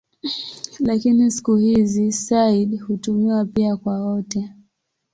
Lakini siku hizi "sayyid" hutumiwa pia kwa wote.